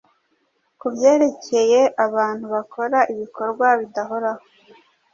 ku byerekeye abantu bakora ibikorwa bidahoraho